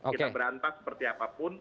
kita berantak seperti apapun